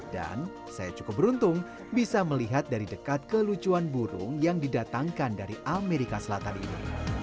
dan saya cukup beruntung bisa melihat dari dekat kelucuan burung yang didatangkan dari amerika selatan ini